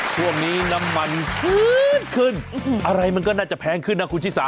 ช่วงนี้น้ำมันชื้นขึ้นอะไรมันก็น่าจะแพงขึ้นนะคุณชิสา